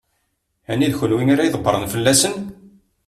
Ɛni d kenwi ara ydebbṛen fell-asent?